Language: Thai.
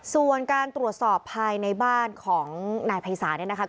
ส่วนการตรวจสอบภายในบ้านของนายไพรศาล